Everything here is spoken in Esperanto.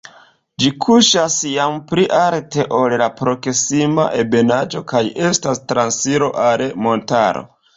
Ĝi kuŝas jam pli alte, ol la proksima ebenaĵo kaj estas transiro al montaro.